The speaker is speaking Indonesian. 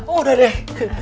oh udah deh